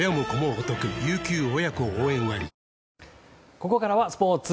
ここからはスポーツ。